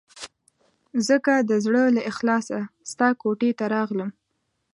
ځکه د زړه له اخلاصه ستا کوټې ته راغلم.